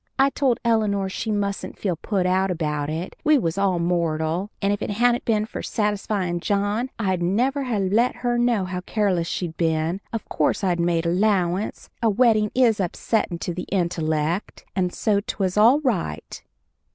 I told Eleanor she mustn't feel put out about it we was all mortal and if it hadn't been for satisfyin' John I'd never have let her know how careless she'd been of course I'd made allowance, a weddin' is upsettin' to the intellect and so 'twas all right.